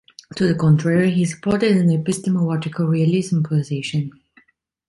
To the contrary, he supported an epistemological realism position.